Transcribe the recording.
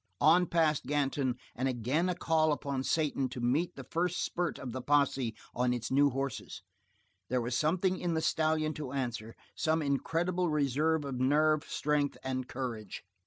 On past Ganton, and again a call upon Satan to meet the first spurt of the posse on its new horses. There was something in the stallion to answer, some incredible reserve of nerve strength and courage.